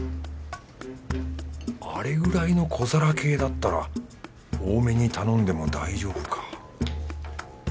あれくらいの小皿系だったら多めに頼んでも大丈夫か。